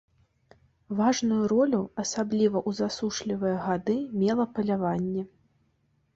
Важную ролю асабліва ў засушлівыя гады мела паляванне.